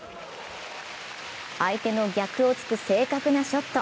相手の逆を突く正確なショット。